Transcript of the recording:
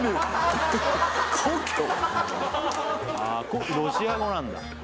ああロシア語なんだ